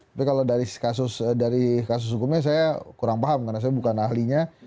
tapi kalau dari kasus hukumnya saya kurang paham karena saya bukan ahlinya